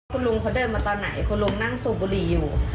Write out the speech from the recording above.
คุณลุงเขาเดินมาตอนไหนคุณลุงนั่งสูบบุหรี่อยู่